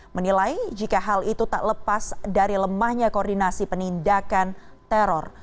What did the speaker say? menilai jika hal itu tak lepas dari lemahnya koordinasi penindakan teror